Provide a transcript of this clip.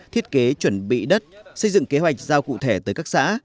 thiết kế chuẩn bị đất xây dựng kế hoạch giao cụ thể tới các xã